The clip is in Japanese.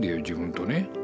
自分とね。